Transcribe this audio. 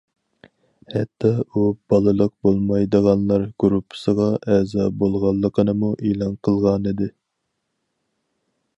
ھەتتا ئۇ بالىلىق بولمايدىغانلار گۇرۇپپىسىغا ئەزا بولغانلىقىنىمۇ ئېلان قىلغانىدى.